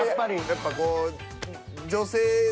やっぱこう。